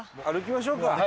歩きましょうか。